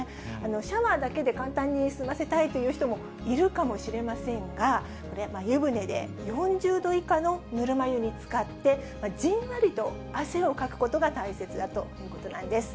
シャワーだけで簡単に済ませたいという人もいるかもしれませんが、これ、湯船で４０度以下のぬるま湯につかって、じんわりと汗をかくことが大切だということなんです。